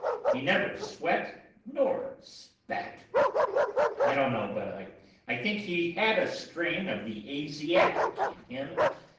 He never sweat nor spat. I don't know, but I think he had a strain of the Asiatic in him.